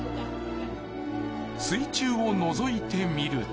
水中をのぞいてみると。